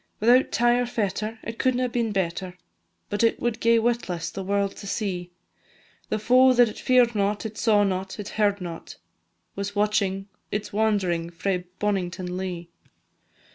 Without tie or fetter, it couldna been better, But it would gae witless the world to see; The foe that it fear'd not, it saw not, it heard not, Was watching its wand'ring frae Bonnington Lea.